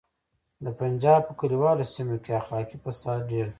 د پنجاب په کلیوالو سیمو کې اخلاقي فساد ډیر دی